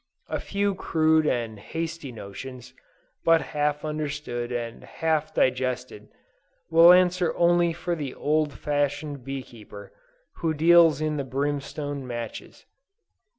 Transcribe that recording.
A few crude and hasty notions, but half understood and half digested, will answer only for the old fashioned bee keeper, who deals in the brimstone matches.